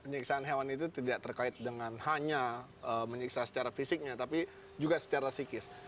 penyiksaan hewan itu tidak terkait dengan hanya menyiksa secara fisiknya tapi juga secara psikis